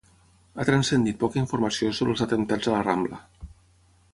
Ha transcendit poca informació sobre els atemptats a la Rambla